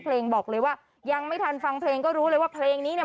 บอกเลยว่ายังไม่ทันฟังเพลงก็รู้เลยว่าเพลงนี้เนี่ย